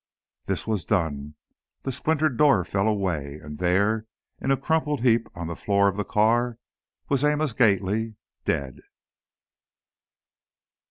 This was done, the splintered door fell away, and there, in a crumpled heap on the floor of the car, was Amos Gately, dead.